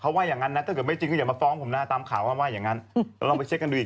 เขาว่าอย่างนั้นนะถ้าไม่จริงเขาอยากมาฟ้องผมนะ